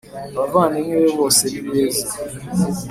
Abavandimwe be bose ni beza